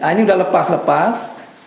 ini udah lepas lepas